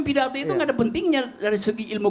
pidato itu gak ada pentingnya dari segi ilmu